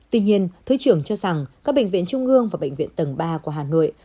tuy nhiên thứ trưởng cho rằng các bệnh viện trung ương và bệnh viện tầng ba của hà nội